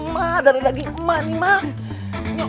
mak dari daging emak ini mak